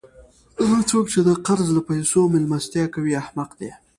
هغه څوک، چي د قرض له پېسو میلمستیا کوي؛ احمق دئ!